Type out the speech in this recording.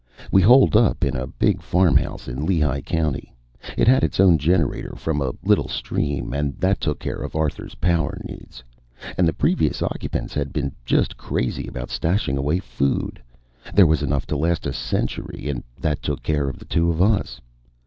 We holed up in a big farmhouse in Lehigh County. It had its own generator from a little stream, and that took care of Arthur's power needs; and the previous occupants had been just crazy about stashing away food. There was enough to last a century, and that took care of the two of us.